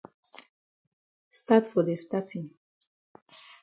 Stat for de statin.